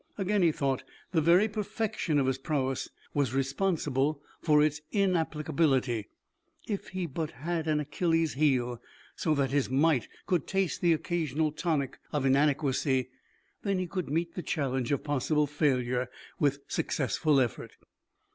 Again, he thought, the very perfection of his prowess was responsible for its inapplicability; if he but had an Achilles' heel so that his might could taste the occasional tonic of inadequacy, then he could meet the challenge of possible failure with successful effort.